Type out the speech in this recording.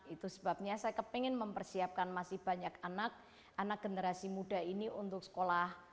itu sebabnya saya kepengen mempersiapkan masih banyak anak anak generasi muda ini untuk sekolah